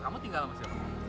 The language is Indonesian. kamu tinggal sama siapa